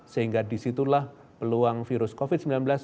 sehingga disitulah peluang virus covid sembilan belas